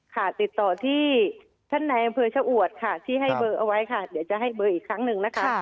ค่ะติดต่อที่ท่านนายอำเภอชะอวดค่ะที่ให้เบอร์เอาไว้ค่ะเดี๋ยวจะให้เบอร์อีกครั้งหนึ่งนะคะ